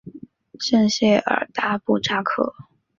圣谢尔达布扎克。